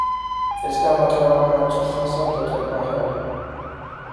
اس کا مطلب آپ کو اچھا خاصا تجربہ ہے